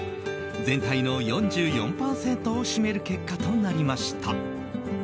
全体の４４％を占める結果となりました。